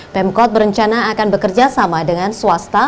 pemkot berencana akan bekerja sama dengan swasta